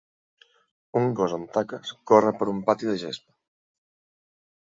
Un gos amb taques corre per un pati de gespa